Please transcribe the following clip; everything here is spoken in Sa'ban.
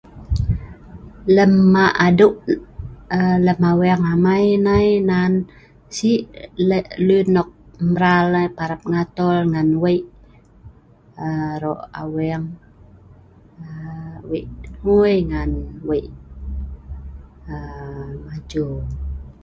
Lem ma' adieu aa lem aweeng amai nai nan, si luen nok mral parap ngatoel ngan wei aa aro' aweeng aa wei nguei ngan wei aa maju.